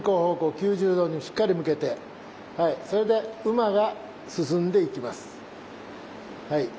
９０度にしっかり向けてそれで馬が進んでいきます。